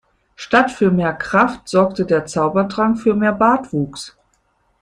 Statt für mehr Kraft sorgte der Zaubertrank für mehr Bartwuchs.